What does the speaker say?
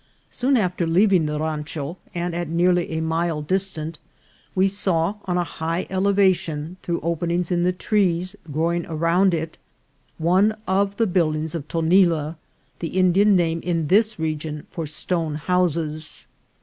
Soon after leaving the rancho, and at nearly a mile distant, we saw, on a high elevation, through openings in trees growing around it, one of the buildings of Tonila, the Indian name in this region for stone hou ses.